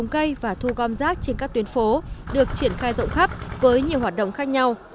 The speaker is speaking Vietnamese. cây phòng bà được triển khai rộng khắp với nhiều hoạt động khác nhau